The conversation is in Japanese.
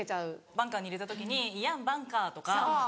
バンカーに入れた時に「いやんバンカー」とか。